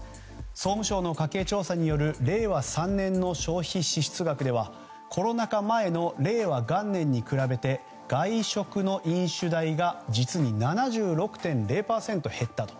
総務省の家計調査による令和３年の消費支出額ではコロナ禍前の令和元年比べて外食の飲酒代が実に７６．０％減ったと。